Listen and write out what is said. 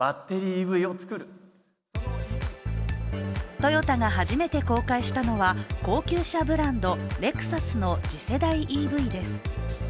トヨタが初めて公開したのは高級車ブランド・レクサスの次世代ＥＶです。